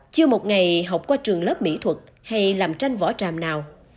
chưa một ngày học qua trường lớp mỹ thuật hay làm tranh vỏ tràm nào